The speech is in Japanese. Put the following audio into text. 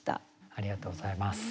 ありがとうございます。